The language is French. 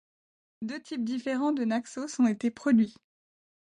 Deux types différents de Naxos ont été produits.